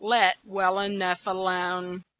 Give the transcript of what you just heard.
"Let well e nough a lone."